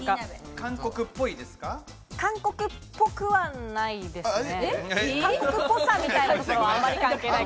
韓国っぽくはないですね。